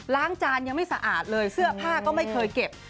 จานยังไม่สะอาดเลยเสื้อผ้าก็ไม่เคยเก็บ